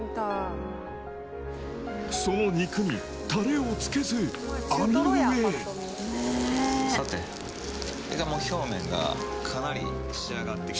その肉にタレをつけず網の上へさて表面がかなり仕上がってきて。